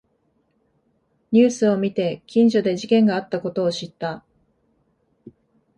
ニュースを見て近所で事件があったことを知った